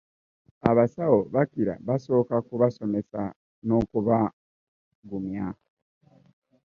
Abasawo bakira basooka kubasomesa n'okubagumya.